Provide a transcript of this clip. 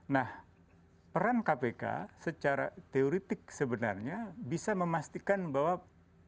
nah peran kpk secara teoretik sebenarnya bisa memastikan bahwa proses pembangunan dan pertumbuhan ekonomi itu harus berjalan lancar